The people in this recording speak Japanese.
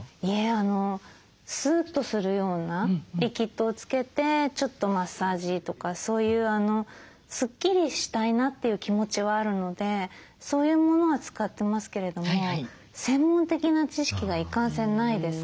いえスーッとするようなリキッドをつけてちょっとマッサージとかそういうスッキリしたいなっていう気持ちはあるのでそういうものは使ってますけれども専門的な知識がいかんせんないですから。